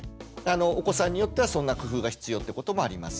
お子さんによってはそんな工夫が必要ってこともあります。